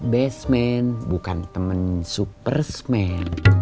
basement bukan temen superman